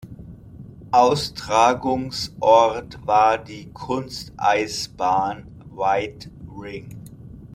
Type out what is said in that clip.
Austragungsort war die Kunsteisbahn White Ring.